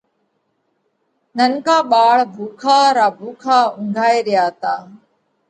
ننڪا ٻاۯ ڀُوکا را ڀُوکا اُنگھائي ريا تا۔